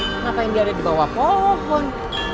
kenapa yang dia ada di bawah pohon